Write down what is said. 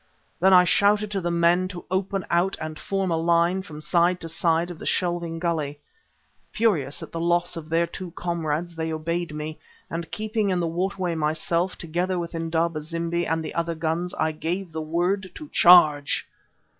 Then I shouted to the men to open out and form a line from side to side of the shelving gulley. Furious at the loss of their two comrades, they obeyed me, and keeping in the water way myself, together with Indaba zimbi and the other guns, I gave the word to charge.